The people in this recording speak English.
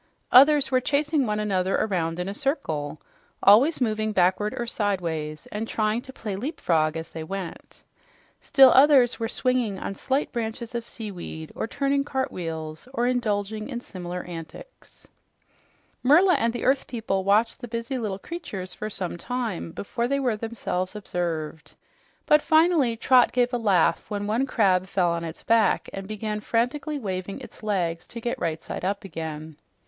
Others were chasing one another around in a circle, always moving backward or sidewise, and trying to play "leapfrog" as they went. Still others were swinging on slight branches of seaweed or turning cartwheels or indulging in similar antics. Merla and the earth people watched the busy little creatures for some time before they were themselves observed, but finally Trot gave a laugh when one crab fell on its back and began frantically waving its legs to get right side up again.